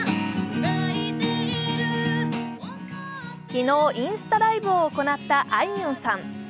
昨日、インスタライブを行った、あいみょんさん。